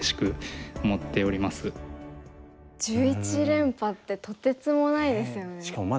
１１連覇ってとてつもないですよね。